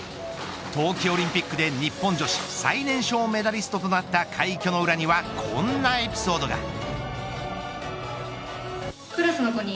冬季オリンピックで日本女子最年少メダリストとなった快挙の裏にはこんなエピソードが。